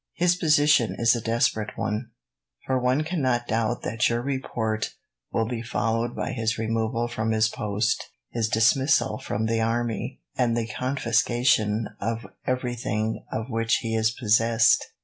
His position is a desperate one, for one cannot doubt that your report will be followed by his removal from his post, his dismissal from the army, and the confiscation of everything of which he is possessed.